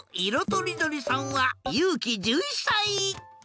とりどりさんはゆうき１１さい。